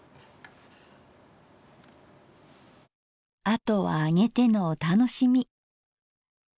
あとは揚げてのお楽しみ。